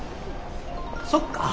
そっか。